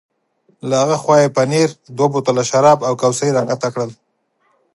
له ها خوا یې پنیر، دوه بوتلونه شراب او کوسۍ را کښته کړل.